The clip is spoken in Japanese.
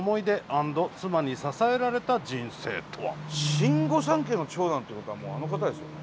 新御三家の長男ということはもうあの方ですよね。